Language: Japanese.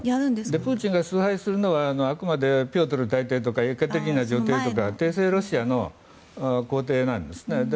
プーチンが崇拝するのはあくまでピョートル大帝とかエカテリーナ女帝とか帝政ロシアの皇帝なんですね。